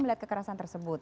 melihat kekerasan tersebut